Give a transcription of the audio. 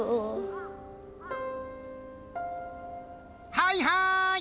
はいはい！